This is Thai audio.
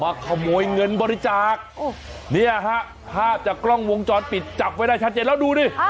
ขโมยเงินบริจาคเนี่ยฮะภาพจากกล้องวงจรปิดจับไว้ได้ชัดเจนแล้วดูดิ